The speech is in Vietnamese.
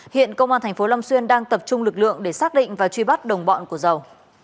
hiện công an tp long xuyên đang tập trung lực lượng để xác định và truy bắt đồng bọn của giàu